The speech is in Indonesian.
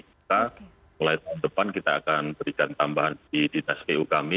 maka mulai tahun depan kita akan berikan tambahan di dinas pu kami